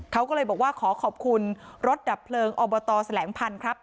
เขาก็เลยบอกว่าขอขอบคุณรถดับเพลิงอบตแสลงพันธุ์ครับ